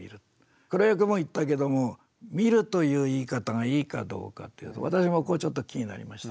黒岩君も言ったけども「みる」という言い方がいいかどうか私もここちょっと気になりましたね。